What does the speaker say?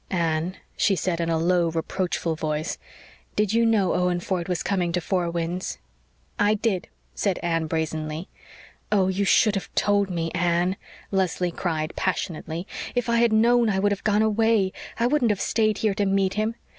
"Anne," she said in a low, reproachful voice, "did you know Owen Ford was coming to Four Winds?" "I did," said Anne brazenly. "Oh, you should have told me, Anne," Leslie cried passionately. "If I had known I would have gone away I wouldn't have stayed here to meet him.